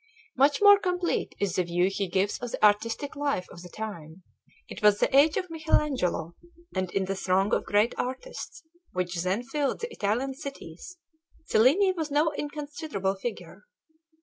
Much more complete is the view he gives of the artistic life of the time. It was the age of Michelangelo, and in the throng of great artists which then filled the Italian cities, Cellini was no inconsiderable figure.